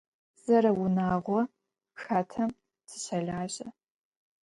Zereunağou xatem tışelaje.